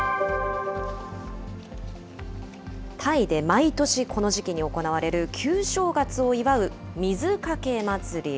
タイで毎年、この時期に行われる旧正月を祝う水かけ祭り。